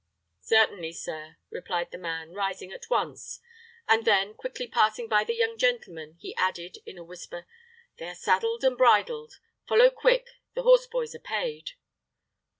"Certainly, sir," replied the man, rising at once; and then, quickly passing by the young gentleman, he added, in a whisper, "They are saddled and bridled; follow quick. The horseboys are paid."